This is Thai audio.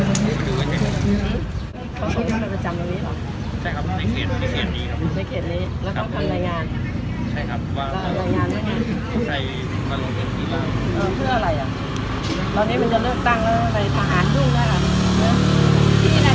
แล้วนี้มันจะเลือกตั้งแล้วมันออกไปภาษายุ่งนะคะ